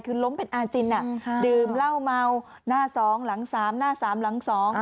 คือล้มเป็นอาจินดื่มเหล้าเมาหน้าสองหลังสามหน้าสามหลังสอง